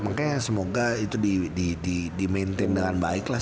makanya semoga itu dimaintain dengan baik lah